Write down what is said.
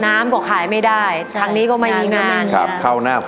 น้ำก็ขายไม่ได้ทางนี้ก็ไม่มีงานครับเข้าหน้า